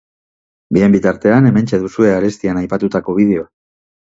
Bien bitartean hementxe duzue arestian aipatutako bideoa.